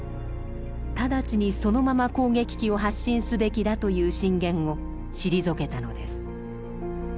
直ちにそのまま攻撃機を発進すべきだという進言を退けたのです。